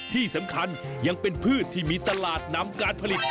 ที่สำคัญยังเป็นพืชที่มีตลาดนำการผลิต